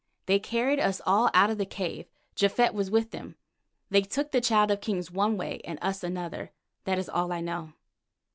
They carried us all out of the cave; Japhet was with them. They took the Child of Kings one way and us another, that is all I know."